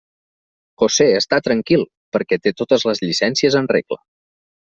José està tranquil, perquè té totes les llicències en regla.